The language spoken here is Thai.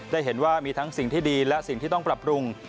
ได้เห็นว่ามีทั้งสิ่งที่ดีและสิ่งที่ต้องปรับปรุง